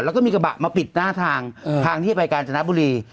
แล้วก็มีกระบะมาปิดหน้าทางทางที่จะไปกาญจนบุรี